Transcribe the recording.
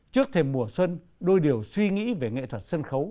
trước thềm mùa xuân đôi điều suy nghĩ về nghệ thuật sân khấu